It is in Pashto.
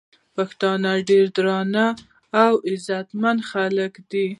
پښتانه ډير درانه او عزتمن خلک دي